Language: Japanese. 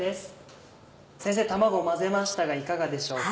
先生卵を混ぜましたがいかがでしょうか？